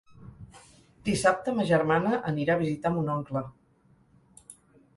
Dissabte ma germana anirà a visitar mon oncle.